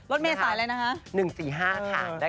รถเมย์สายอะไรนะคะ